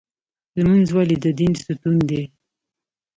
لمونځ ولې د دین ستون دی؟